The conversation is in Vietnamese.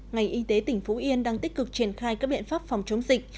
ngành y tế tỉnh phú yên đang tích cực triển khai các biện pháp phòng chống dịch